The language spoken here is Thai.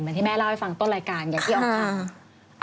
เหมือนที่แม่เล่าให้ฟังต้นรายการอย่างนี้ออกค่ะ